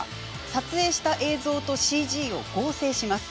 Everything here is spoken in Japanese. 撮影した映像とＣＧを合成します。